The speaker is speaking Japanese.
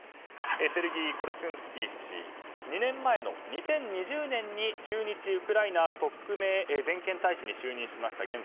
セルギー・コルスンスキー氏は２年前の２０２０年に駐日ウクライナ特命全権大使に就任しました。